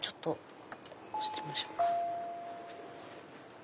押してみましょうか。